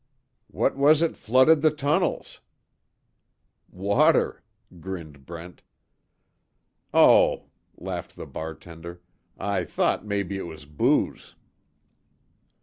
"What was it flooded the tunnels?" "Water," grinned Brent. "Oh," laughed the bartender, "I thought maybe it was booze."